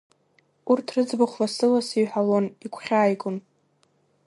Урҭ рыӡбахә лассы-лассы иҳәалон, игәхьааигон.